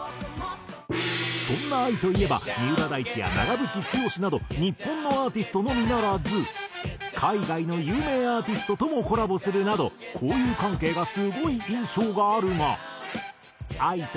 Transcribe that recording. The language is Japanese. そんなＡＩといえば三浦大知や長渕剛など日本のアーティストのみならず海外の有名アーティストともコラボするなど交友関係がすごい印象があるが。